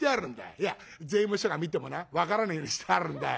いや税務署が見てもな分からねえようにしてあるんだよ。